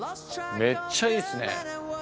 めっちゃいいっすね。